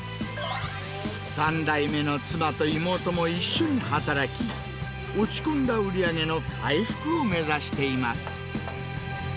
３代目の妻と妹も一緒に働き、落ち込んだ売り上げの回復を目指しています。